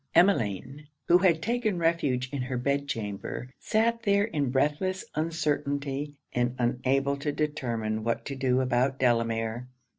Emmeline, who had taken refuge in her bed chamber, sat there in breathless uncertainty, and unable to determine what to do about Delamere.